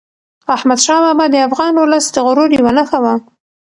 احمدشاه بابا د افغان ولس د غرور یوه نښه وه.